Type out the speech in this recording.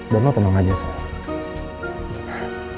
dan lo tenang aja sarah